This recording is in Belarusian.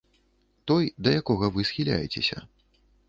Той, да якога вы схіляецеся.